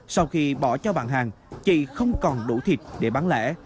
sau khi bỏ cho bạn hàng chị không còn đủ thịt để bán lẻ